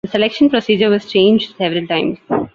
The selection procedure was changed several times.